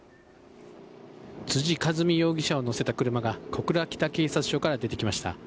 辻和美容疑者を乗せた車が小倉北警察署から出てきました。